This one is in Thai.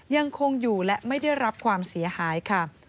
ยังคงอยู่และไม่ได้รับความเสียหายค่ะ